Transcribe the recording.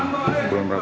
baru bulan berapa